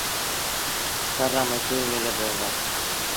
ٿر رآ مشهور مله با هُݩدآ۔